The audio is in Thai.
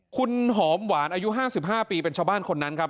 คุณหอมหวานอายุ๕๕ปีเป็นชาวบ้านคนนั้นครับ